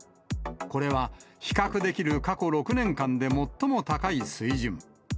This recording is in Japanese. これは比較できる過去６年間で最も高い水準。